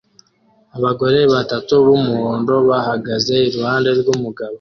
Abagore batatu b'umuhondo bahagaze iruhande rw'umugabo